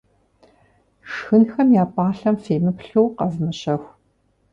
Шхынхэм я пӏалъэм фемыплъу къэвмыщэху.